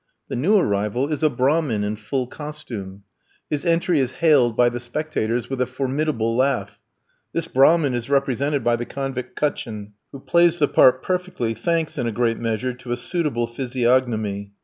The new arrival is a Brahmin, in full costume. His entry is hailed by the spectators with a formidable laugh. This Brahmin is represented by the convict Cutchin, who plays the part perfectly, thanks, in a great measure, to a suitable physiognomy.